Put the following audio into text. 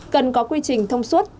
cần có quy trình thông suốt